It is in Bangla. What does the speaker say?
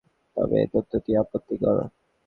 তবে এ তথ্যটি আপত্তিকর।